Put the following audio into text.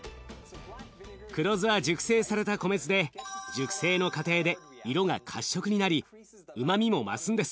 黒酢は熟成された米酢で熟成の過程で色が褐色になりうまみも増すんです。